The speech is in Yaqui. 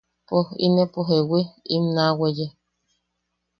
Poj inepo ¿jewi? im naa weye.